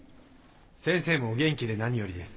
先生もお元気で何よりです。